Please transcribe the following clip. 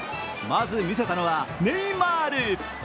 まず見せたのはネイマール。